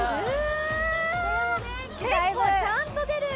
結構ちゃんと出る！